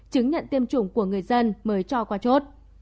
chứng nhận tiêm chủng của người dân mới cho qua chốt